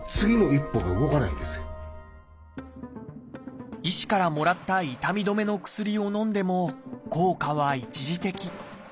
その医師からもらった痛み止めの薬をのんでも効果は一時的。